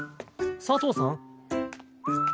佐藤さん？